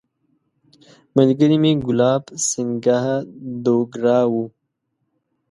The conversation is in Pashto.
ملګری مې ګلاب سینګهه دوګرا وو.